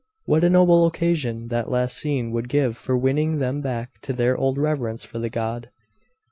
What a noble occasion that last scene would give for winning them hack to their old reverence for the god!